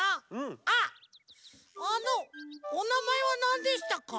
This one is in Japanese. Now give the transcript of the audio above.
あっあのおなまえはなんでしたか？